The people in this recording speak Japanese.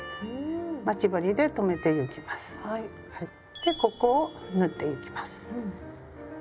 でここを縫ってゆきます。